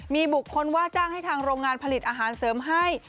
มีบุคคลว่าจ้างให้ทางโรงงานผลิตอาหารเสริมให้